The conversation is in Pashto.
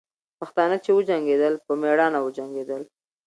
پښتانه چې وجنګېدل، په میړانه وجنګېدل.